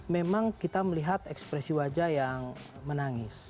memang kita melihat ekspresi wajah yang menangis